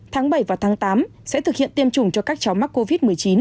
tháng bảy và tháng tám sẽ thực hiện tiêm chủng cho các cháu mắc covid một mươi chín